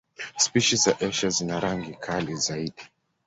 Spishi za Asia zina rangi kali zaidi.